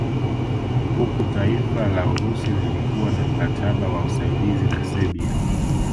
Huku taifa la Urusi lilikuwa na mkataba wa usaidizi na Serbia